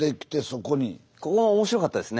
ここも面白かったですね。